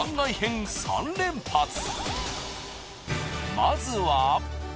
まずは。